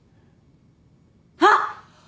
あっ！